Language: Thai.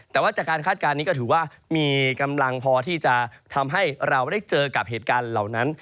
แต่ว่าจากการคาดการณ์นี้ก็ถือว่ามีกำลังพอที่จะทำให้เราได้เจอกับเหตุการณ์เหล่านั้น